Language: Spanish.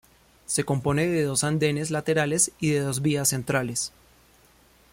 Se compone de dos andenes laterales y de dos vías centrales.